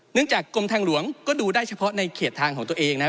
เนื่องจากกลมทางหลวงก็ดูได้เฉพาะในเขตทางของตัวเองนะฮะ